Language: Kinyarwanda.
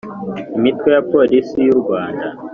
imitwe ya Polisi y’u Rwanda